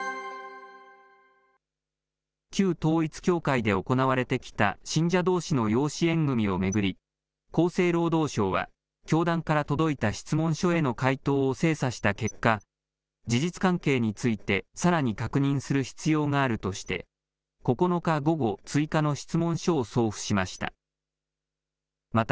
旧統一教会で行われてきた信者どうしの養子縁組を巡り、厚生労働省は、教団から届いた質問書への回答を精査した結果、事実関係についてさらに確認する必要があるとして、９日午後、追加の質問書を送付しました。